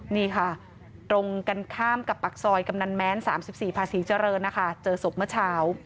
นี่ค่ะตรงกันข้ามกับปากซอยกำนันแม้น๓๔ภาษีเจริญนะคะเจอศพเมื่อเช้า